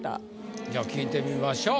じゃあ聞いてみましょう。